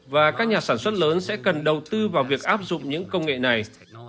và các nhà sản xuất lớn sẽ cần đầu tư vào việc áp dụng những công nghệ này